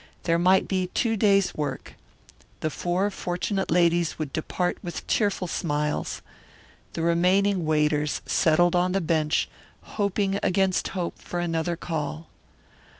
There might be two days' work. The four fortunate ladies would depart with cheerful smiles. The remaining waiters settled on the bench, hoping against hope for another call.